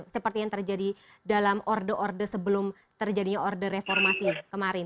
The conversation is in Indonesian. seperti yang terjadi dalam order order sebelum terjadinya order reformasi kemarin